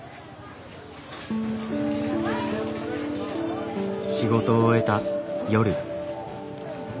仕事を終えた夜。